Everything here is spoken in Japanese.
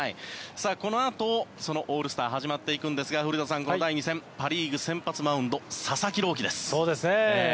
このあとそのオールスター始まっていくんですが古田さん、第２戦パ・リーグ先発マウンド佐々木朗希です。